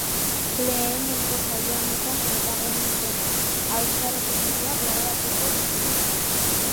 Lehenengo saio honetan, protagonisten haurtzaroko jokoak gogoratuko dituzte.